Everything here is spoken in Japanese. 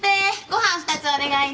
ご飯２つお願いね。